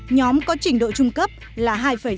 nhóm có trình độ trung cấp là hai sáu mươi